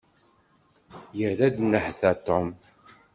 Yerra-d nnehta Tom.